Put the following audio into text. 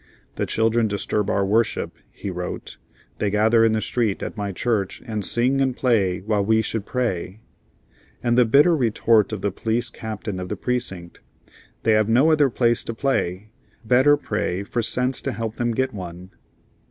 "The children disturb our worship," he wrote; "they gather in the street at my church and sing and play while we would pray"; and the bitter retort of the police captain of the precinct: "They have no other place to play; better pray for sense to help them get one."